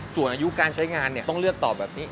ส่วนอายุการใช้งานต้องเลือกตอบแบบนี้